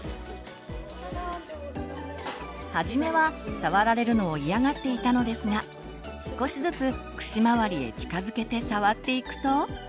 初めは触られるのを嫌がっていたのですが少しずつ口周りへ近づけて触っていくと。